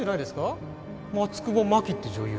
松久保真希って女優。